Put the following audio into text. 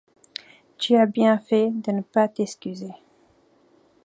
Tu as bien fait de ne pas t’excuser.